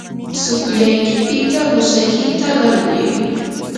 tsukllaykipita qusaykita qarquy.